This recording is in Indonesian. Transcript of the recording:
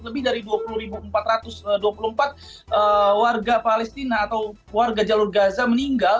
lebih dari dua puluh empat ratus dua puluh empat warga palestina atau warga jalur gaza meninggal